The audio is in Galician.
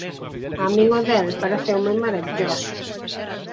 A min o del pareceume marabilloso.